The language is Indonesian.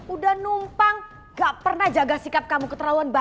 udah numpang gak pernah jaga sikap kamu ke terlalu lama